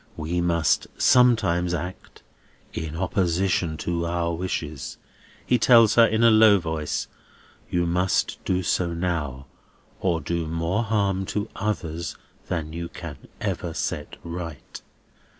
"We must sometimes act in opposition to our wishes," he tells her in a low voice. "You must do so now, or do more harm to others than you can ever set right."